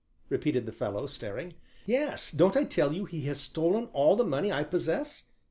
repeated the fellow, staring. "Yes, don't I tell you he has stolen all the money I possess?"